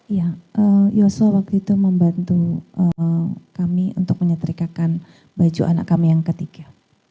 iya yosua waktu itu membantu kami untuk menyetrikakan baju anak kami yang ketiga